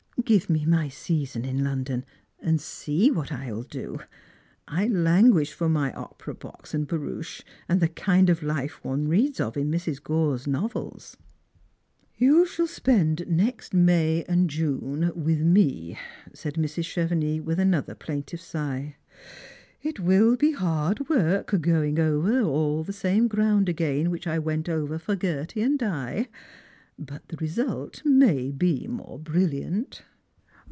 Give me my season in London, and see what I will do. I languish for my opera box and barouche, and the kind of life one reads of in Mrs. Gore's novels." _•' You shall spend next May and June with me," said Mrs. Chevenix with another plaintive sigh. " It will be hard work going over all the same ground again which I went over for Gerty and Di, but the result may be more brilliant."